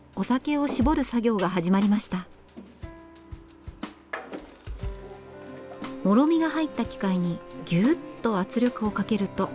もろみが入った機械にギュッと圧力をかけると。